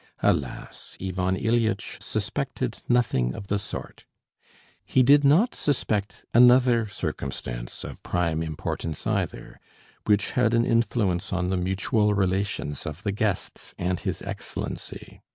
Alas! Ivan Ilyitch suspected nothing of the sort. He did not suspect another circumstance of prime importance either, which had an influence on the mutual relations of the guests and his Excellency.